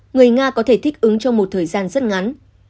người nga có thể thích ứng trong một thời gian rất ngắn